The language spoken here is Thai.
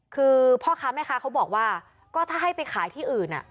คือพ่อค้าแม่ค้าเขาบอกว่าก็ถ้าให้ไปขายที่อื่น